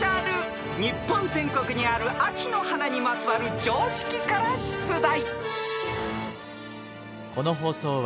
［日本全国にある秋の花にまつわる常識から出題］